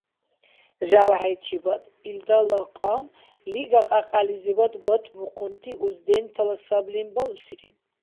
ЖявхӀейчибад илдала кьам лига-кьякьялизиб батбухъунти уздентала саблин балусири.